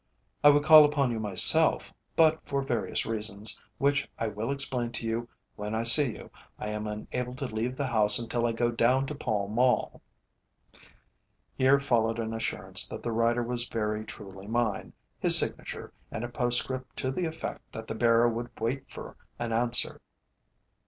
I would call upon you myself, but for various reasons, which I will explain to you when I see you, I am unable to leave the house until I go down to Pall Mall." Here followed an assurance that the writer was very truly mine, his signature, and a postscript to the effect that the bearer would wait for an answer.